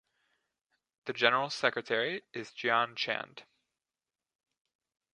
The general secretary is Gian Chand.